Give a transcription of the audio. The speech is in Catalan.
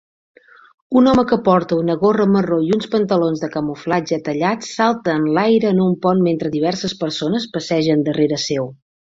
Un home que porta una gorra marró i uns pantalons de camuflatge tallats salta en l'aire en un pont mentre diverses persones passegen darrera seu.